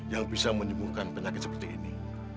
yang bisa menyembuhkan penyakit seperti ini